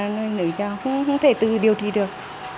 nên nuôi cho không thể tự điều trị được